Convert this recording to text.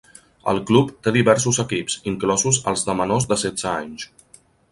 El club té diversos equips, inclosos els de menors de setze anys.